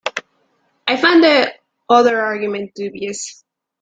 I find the other argument dubious.